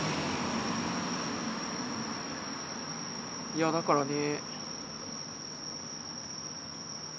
いやだからね。